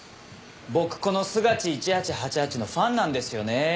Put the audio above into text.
僕このスガチー１８８８のファンなんですよね。